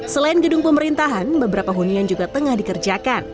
selain gedung pemerintahan beberapa hunian juga tengah dikerjakan